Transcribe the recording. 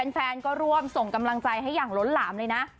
แฟนก็ร่วมส่งกำลังใจให้อย่างล้นหลามเลยนะ